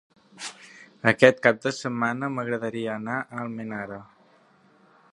Aquest cap de setmana m'agradaria anar a Almenara.